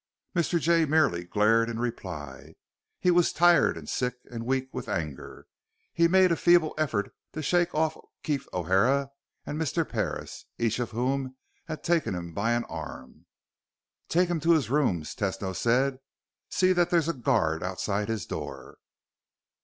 Mr. Jay merely glared in reply. He was tired and sick and weak with anger. He made a feeble effort to shake off Keef O'Hara and Mr. Parris, each of whom had taken him by an arm. "Take him to his rooms," Tesno said. "See that there's a guard outside his door."